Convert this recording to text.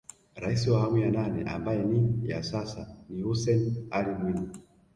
Rais wa awamu ya nane ambaye ni ya sasa ni Hussein Ally Mwinyi